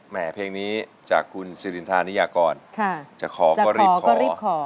เพลงนี้จากคุณสิรินทานิยากรจะขอก็รีบขอ